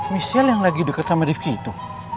michelle yang lagi dekat sama rifki itu